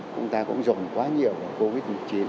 chúng ta cũng dồn quá nhiều vào covid một mươi chín